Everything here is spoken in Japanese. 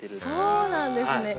そうなんですね。